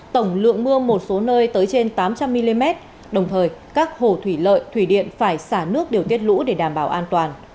tổng lượng mưa một số nơi tới trên tám trăm linh mm đồng thời các hồ thủy lợi thủy điện phải xả nước điều tiết lũ để đảm bảo an toàn